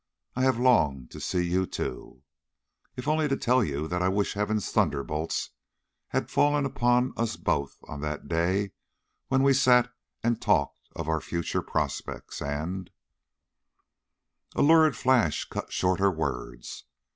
I have longed to see you too, if only to tell you that I wish heaven's thunderbolts had fallen upon us both on that day when we sat and talked of our future prospects and " A lurid flash cut short her words.